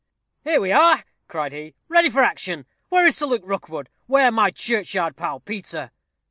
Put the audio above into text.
"Here we are," cried he, "ready for action. Where is Sir Luke Rookwood? where my churchyard pal, Peter?"